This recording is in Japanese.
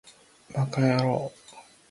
ヴぁかやろう